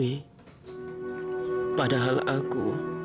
wi padahal aku